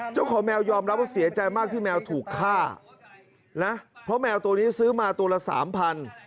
แมวยอมรับว่าเสียใจมากที่แมวถูกฆ่านะเพราะแมวตัวนี้ซื้อมาตัวละสามพัน